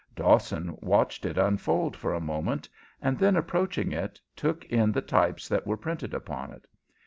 Dawson watched it unfold for a moment, and then, approaching it, took in the types that were printed upon it.